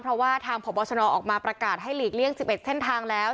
เพราะว่าทางพบชนออกมาประกาศให้หลีกเลี่ยง๑๑เส้นทางแล้ว